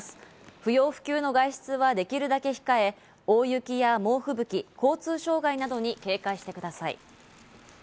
不要不急の外出はできるだけ控え、大雪や猛吹雪、交通障害などに警戒してください。